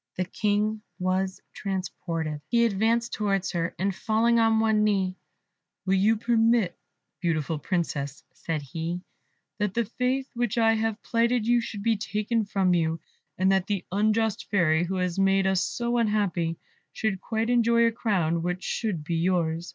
The King was transported: he advanced towards her, and falling on one knee "Will you permit, beautiful Princess," said he, "that the faith which I have plighted you should be taken from you, and that the unjust Fairy, who has made us so unhappy, should quietly enjoy a crown which should be yours?"